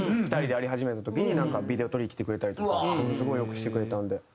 ２人でやり始めた時になんかビデオ撮りに来てくれたりとかものすごい良くしてくれたんで。